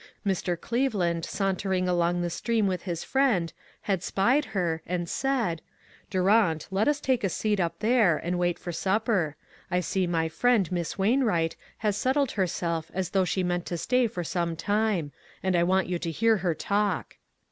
Mr. Cleveland sauntering along the stream with his friend, had spied her, and said : "Durant, let us take a Beat up there, and wait for supper ; I see my friend, Miss Wainwright, has settled herself as though she meant to stay for some time, and I want you to hear her talk."